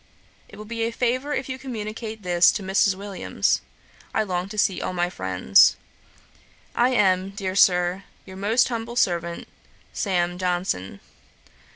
'It will be a favour if you communicate this to Mrs. Williams: I long to see all my friends. 'I am, dear Sir, 'Your most humble servant, 'SAM. JOHNSON.'